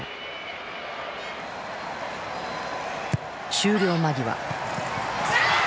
終了間際。